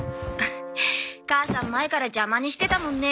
母さん前から邪魔にしてたもんね